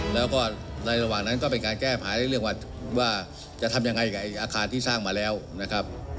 แล้วก็ในระหว่างนั้นก็เป็นการแก้ภายในเรื่องว่าจะทำยังไงกับอาคารที่สร้างมาแล้วนะครับ